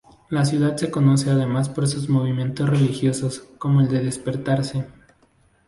La ciudad se conoce además por sus movimientos religiosos, como el de despertarse.